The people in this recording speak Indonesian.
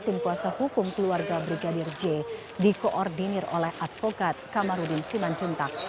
tim kuasa hukum keluarga brigadir j dikoordinir oleh advokat kamarudin simanjuntak